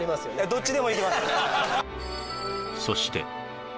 どっちでもいけます